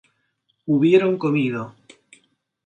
hubieron comido